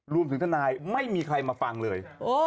รวมถึงทนายไม่มีใครมาฟังเลย